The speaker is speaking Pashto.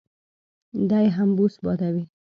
دی هم بوس بادوي.